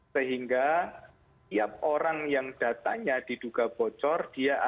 sehingga tiap orang yang datanya diduga bocor